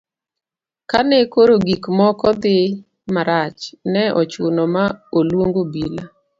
kane koro gik moko dhi marach, ne ochuno ma oluong obila